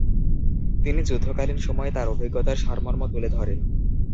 তিনি যুদ্ধকালীন সময়ে তাঁর অভিজ্ঞতার সারমর্ম তুলে ধরেন।